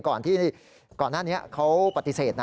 ก่อนที่ก่อนหน้านี้เขาปฏิเสธนะ